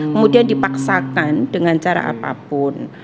kemudian dipaksakan dengan cara apapun